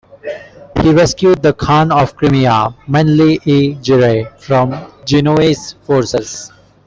He rescued the Khan of Crimea, Meñli I Giray, from Genoese forces.